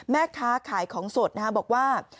แม่ค้าขายของสดบอกว่า